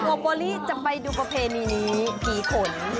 โอโบลิจะไปดูประเพณีนี้กี่ขน